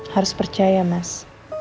harus percaya mas